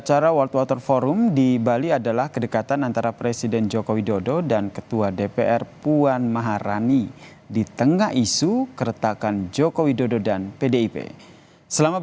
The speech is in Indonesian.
yang berkomitmen untuk menjabatkan kebutuhan air dunia